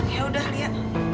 ya udah lia